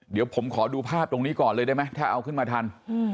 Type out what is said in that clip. เดี๋ยวผมขอดูภาพตรงนี้ก่อนเลยได้ไหมถ้าเอาขึ้นมาทัน